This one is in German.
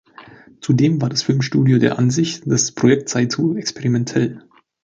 Zudem war das Filmstudio der Ansicht, das Projekt sei zu experimentell.